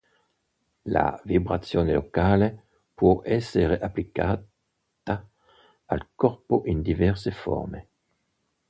La Vibrazione Locale può essere applicata al corpo in diverse forme.